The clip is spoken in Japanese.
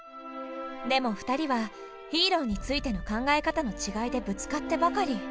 でも２人はヒーローについての考え方の違いでぶつかってばかり。